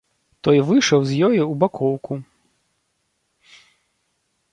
Той выйшаў з ёю ў бакоўку.